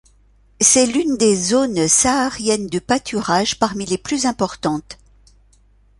C'est l'une des zones saharienne de pâturage parmi les plus importantes.